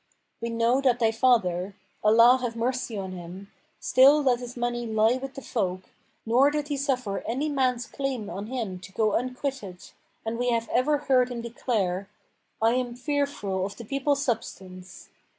We know that thy father (Allah have mercy on him!) still let his money lie with the folk,[FN#492] nor did he suffer any man's claim on him to go unquitted, and we have ever heard him declare, 'I am fearful of the people's substance.'